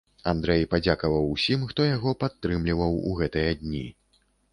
Андрэй падзякаваў усім, хто яго падтрымліваў у гэтыя дні.